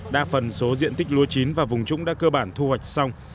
đa phần số diện tích lúa chín và vùng trũng đã cơ bản thu hoạch xong